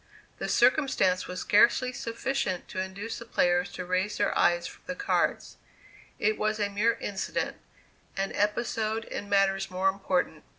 The circumstance was scarcely sufficient to induce the players to raise their eyes from the cards; it was a mere incident, an episode in matters more important.